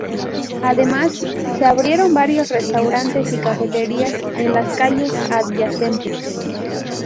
Además, se abrieron varios restaurantes y cafeterías en las calles adyacentes.